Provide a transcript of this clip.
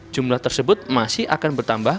jumlah tersebut masih akan bertambah